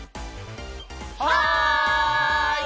はい！